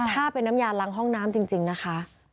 ถ้าเป็นน้ำยาล้างห้องน้ำจริงนะคะ